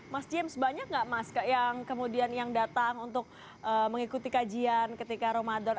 mas james banyak gak mas yang datang untuk mengikuti kajian ketika ramadan